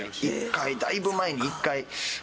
１回だいぶ前に１回。